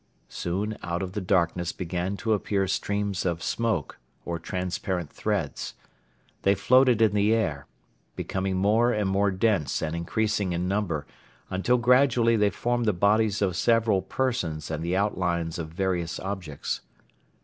Soon out of the darkness began to appear streams of smoke or transparent threads. They floated in the air, becoming more and more dense and increasing in number, until gradually they formed the bodies of several persons and the outlines of various objects.